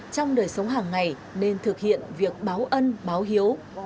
trong đời sống hàng ngày nên thực hiện việc báo ân báo hiếu